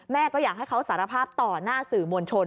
ก็อยากให้เขาสารภาพต่อหน้าสื่อมวลชน